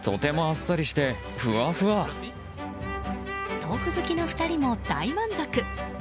豆腐好きの２人も大満足。